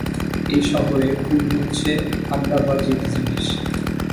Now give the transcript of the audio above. এই শহরে খুন হচ্ছে আড্ডাবাজির জিনিস।